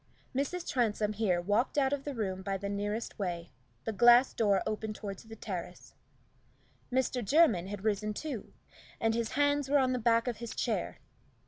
Mrs. Transome here walked out of the room by the nearest way the glass door open toward the terrace. Mr. Jermyn had risen too, and his hands were on the back of his chair.